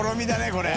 これ。